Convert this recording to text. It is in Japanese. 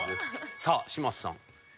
さあ嶋佐さん。